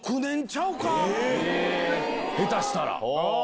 下手したら。